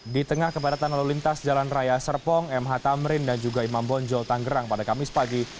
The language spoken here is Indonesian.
di tengah kepadatan lalu lintas jalan raya serpong mh tamrin dan juga imam bonjol tanggerang pada kamis pagi